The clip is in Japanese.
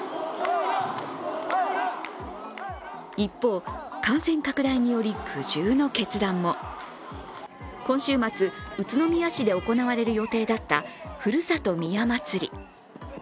一方、感染拡大により苦渋の決断も今週末、宇都宮市で行われる予定だった、ふるさと宮まつり。